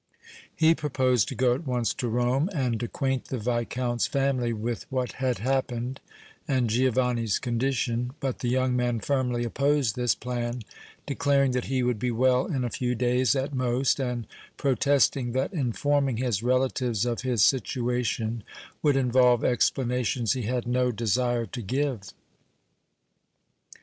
He proposed to go at once to Rome and acquaint the Viscount's family with what had happened and Giovanni's condition, but the young man firmly opposed this plan, declaring that he would be well in a few days at most and protesting that informing his relatives of his situation would involve explanations he had no desire to give.